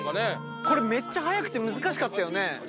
これめっちゃ速くて難しかったよね。